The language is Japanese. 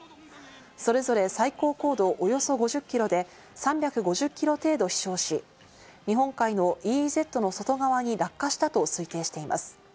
それぞれ最高高度およそ５０キロで、３５０キロ程度飛翔し、日本海のＥＥＺの外側に落下したと推定しています。